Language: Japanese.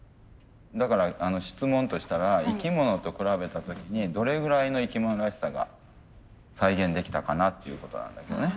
だから質問としたら生き物と比べた時にどれぐらいの生き物らしさが再現できたかなっていうことなんだけどね。